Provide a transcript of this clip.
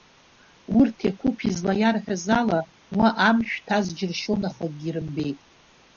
Урҭ Еқәыԥ излаиарҳәаз ала, уа амшә ҭаз џьыршьон, аха акгьы рымбеит.